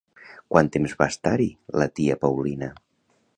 Quant temps va estar-hi la tia Paulina?